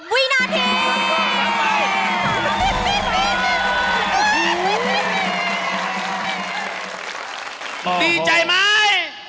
ปีนใจมั้ย